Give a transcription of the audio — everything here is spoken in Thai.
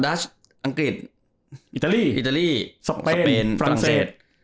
ดัชอังกฤษอิตาลีสเปนฟรังเศส